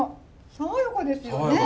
爽やかですね。